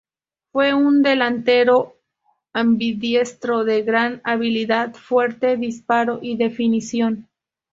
Fue un delantero ambidiestro de gran habilidad, fuerte disparo y definición.